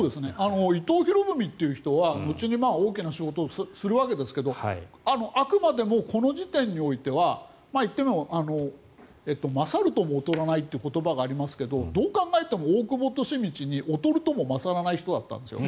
伊藤博文という人は後に大きな仕事をするわけですがあくまでもこの時点においては言ってみれば勝るとも劣らないという言葉がありますけれどどうしても大久保利通に劣るとも勝らない人だったんです。